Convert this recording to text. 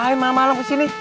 apa yang malem malem kesini